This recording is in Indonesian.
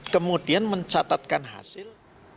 kemudian mencatatkan hasil